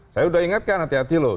saya sudah ingatkan hati hati loh